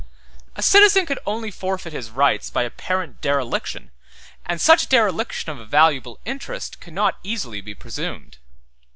139 A citizen could only forfeit his rights by apparent dereliction, and such dereliction of a valuable interest could not easily be presumed.